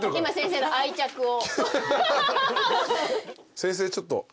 先生ちょっと。